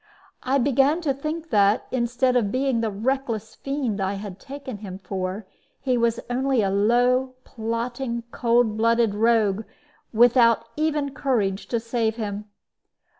I began to think that, instead of being the reckless fiend I had taken him for, he was only a low, plotting, cold blooded rogue, without even courage to save him.